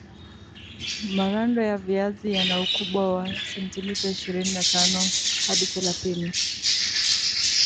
marando ya viazi yana ukubwa wa sentimita ishirini na tano hadithelathini